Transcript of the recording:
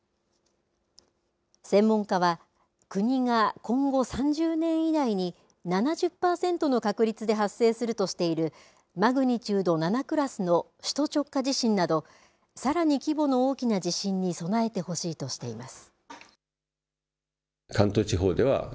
専門家は国が今後３０年以内に７０パーセントの確率で発生するとしているマグニチュード７クラスの首都直下地震などさらに規模の大きな地震に備えてほしいとしています。